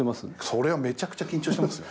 そりゃめちゃくちゃ緊張してますよ。